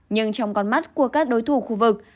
nhưng trong con mắt của các đối thủ khu vực